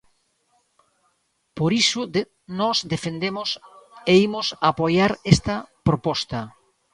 Por iso nós defendemos e imos apoiar esta proposta.